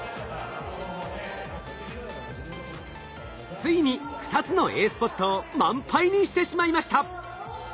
ついに２つのＡスポットを満杯にしてしまいました。